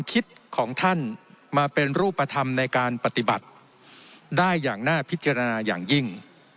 คิดของท่านมาเป็นรูปธรรมในการปฏิบัติได้อย่างน่าพิจารณาอย่างยิ่ง